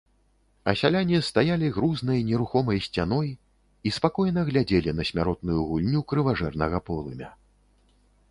А сяляне стаялі грузнай нерухомай сцяной і спакойна глядзелі на смяротную гульню крыважэрнага полымя.